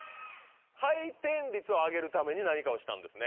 回転率を上げるために何かをしたんですね。